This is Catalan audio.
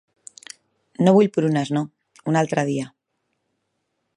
No vull prunes, no, un altre dia.